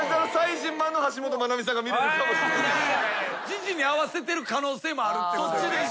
時事に合わせてる可能性もある。